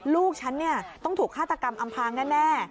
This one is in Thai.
ลูกฉันต้องถูกฆาตกรรมอำพางแน่